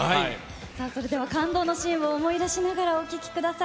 それでは感動のシーンを思い出しながらお聴きください。